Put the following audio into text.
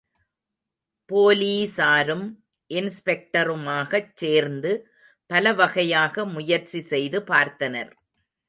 போலீஸாரும், இன்ஸ்பெக்டருமாகச் சேர்ந்து பலவகையாக முயற்சி செய்து பார்த்தனர்.